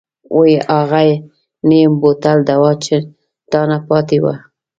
وۍ اغه نيم بوتل دوا چې تانه پاتې وه.